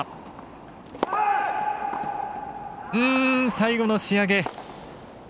最後の仕上げ。